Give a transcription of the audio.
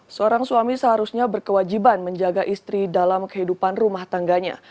seorang suami seharusnya berkewajiban menjaga istri dalam kehidupan rumah tangganya